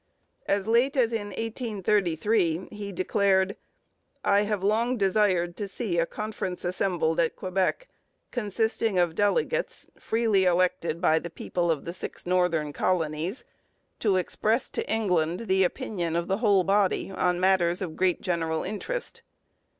As late as in 1833 he declared: 'I have long desired to see a conference assembled at Quebec, consisting of delegates freely elected by the people of the six northern colonies, to express to England the opinion of the whole body on matters of great general interest.'